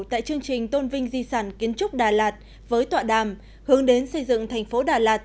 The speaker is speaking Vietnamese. tại chương trình tôn vinh di sản kiến trúc đà lạt với tọa đàm hướng đến xây dựng thành phố đà lạt